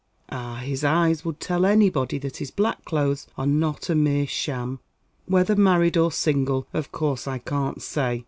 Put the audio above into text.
Ah, his eyes would tell anybody that his black clothes are not a mere sham. Whether married or single, of course I can't say.